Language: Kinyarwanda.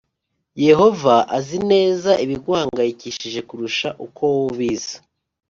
yehova azi neza ibiguhangayikisha kurusha uko wowe ubizi